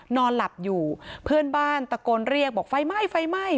นอนหลับอยู่เพื่อนบ้านตะโกนเรียกบอกไฟไหม้ไฟไหม้